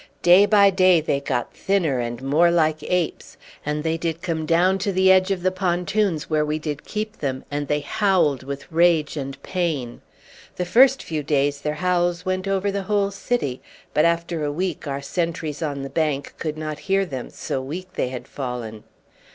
"Day by day they got thinner and more like apes, and they did come down to the edge of the pontoons where we did keep them, and they howled with rage and pain. The first few days their howls went over the whole city, but after a week our sentries on the bank could not hear them, so weak they had fallen."